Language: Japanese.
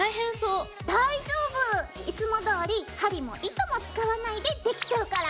大丈夫！いつもどおり針も糸も使わないでできちゃうから。